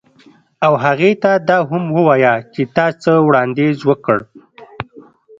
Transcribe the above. او هغې ته دا هم ووایه چې تا څه وړاندیز وکړ